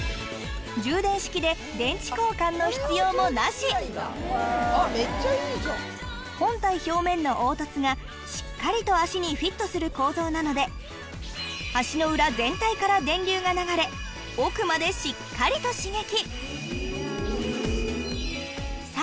さらにでスタート本体表面の凹凸がしっかりと足にフィットする構造なので足の裏全体から電流が流れ奥までしっかりと刺激！